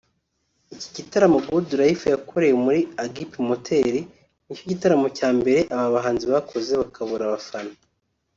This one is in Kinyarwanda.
Iki gitaramo Goodlyfe yakoreye muri Agip Motel ni cyo gitaramo cya mbere aba bahanzi bakoze bakabura abafana